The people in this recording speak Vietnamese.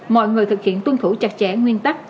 mọi người thực hiện tuân thủ chặt chẽ nguyên tắc